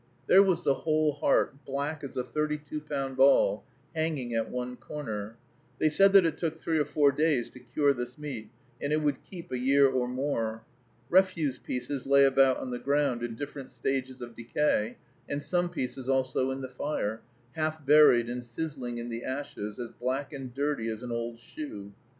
There was the whole heart, black as a thirty two pound ball, hanging at one corner. They said that it took three or four days to cure this meat, and it would keep a year or more. Refuse pieces lay about on the ground in different stages of decay, and some pieces also in the fire, half buried and sizzling in the ashes, as black and dirty as an old shoe.